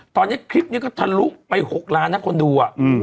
ตอนนี้คลิปนี้ก็ทะลุไป๖ล้านนะคนดู